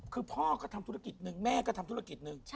คือพ่อก็ทำธุรกิจหนึ่งแม่ก็ทำธุรกิจหนึ่ง